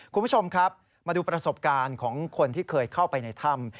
คุณผู้ชมครับมาดูประสบการณ์ของคนที่เคยเข้าไปในถ้ำ